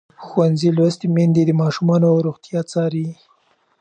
ښوونځې لوستې میندې د ماشومانو روغتیا څاري.